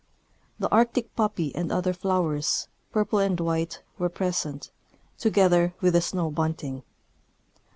The arctic poppy and other flowers, purple and white, were present, to gether with the snowbunting.